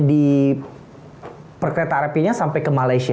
di perkereta apinya sampai ke malaysia